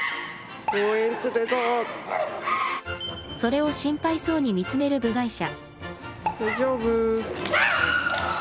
それを心配そうに見つめる部外者。